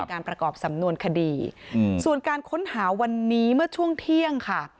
ประกอบสำนวนคดีส่วนการค้นหาวันนี้เมื่อช่วงเที่ยงค่ะ